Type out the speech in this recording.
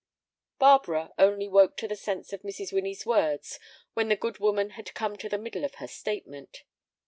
Barbara only woke to the sense of Mrs. Winnie's words when the good woman had come to the middle of her statement.